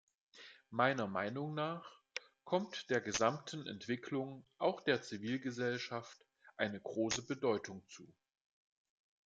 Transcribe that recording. Meiner Meinung nach kommt der gesamten Entwicklung auch der Zivilgesellschaft eine große Bedeutung zu.